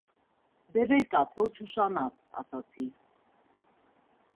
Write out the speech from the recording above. - Դե վեր կաց, որ չուշանաս,- ասացի: